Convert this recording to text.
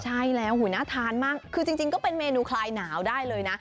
ใช่แล้วน่าทานมากคือจริงก็เป็นเมนูคลายหนาวได้เลยนะ